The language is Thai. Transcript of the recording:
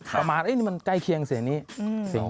ประมาณนี่มันใกล้เคียงเสียงนี้